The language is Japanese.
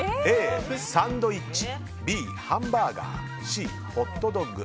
Ａ、サンドイッチＢ、ハンバーガーＣ、ホットドッグ。